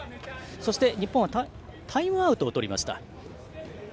日本はタイムアウトをとりました。